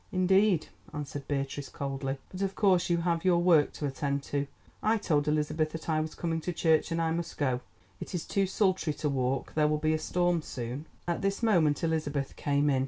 "Indeed," answered Beatrice coldly. "But of course you have your work to attend to. I told Elizabeth that I was coming to church, and I must go; it is too sultry to walk; there will be a storm soon." At this moment Elizabeth came in.